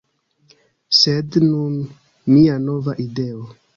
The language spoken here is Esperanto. Sed, nun mia nova ideo